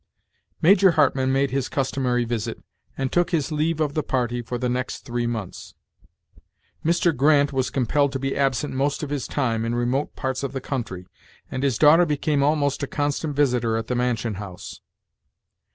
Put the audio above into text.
Major Hartmann made his customary visit, and took his leave of the party for the next three months. Mr. Grant was compelled to be absent most of his time, in remote parts of the country, and his daughter became almost a constant visitor at the mansion house.